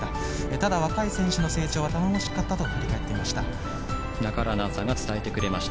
ただ、若い選手の成長は頼もしかったと振り返っていました。